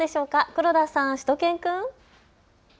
黒田さん、しゅと犬くん。